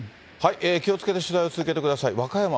気をつけて取材を続けてください。